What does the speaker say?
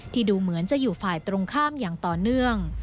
ดูเหมือนจะอยู่ฝ่ายตรงข้ามอย่างต่อเนื่อง